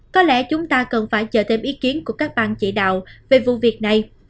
có lẽ chúng ta cần phải chờ thêm ý kiến của các ban chỉ đạo về vụ việc này